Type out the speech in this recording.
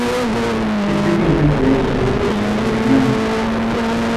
Este filme fue dirigido por Sergio Renán.